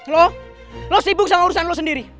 lo lo sibuk sama urusan lo sendiri